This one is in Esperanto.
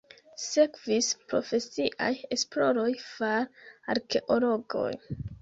Sekvis profesiaj esploroj far arkeologoj.